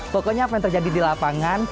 pokoknya apa yang terjadi di lapangan